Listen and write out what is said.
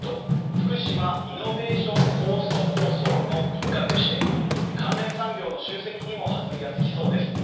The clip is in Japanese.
福島イノベーション・コースト構想の一環でして、関連産業の集積にも弾みがつきそうです。